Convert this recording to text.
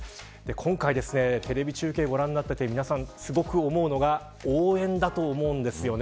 今回テレビ中継をご覧になっていて皆さん、すごく思うのが応援だと思うんですよね。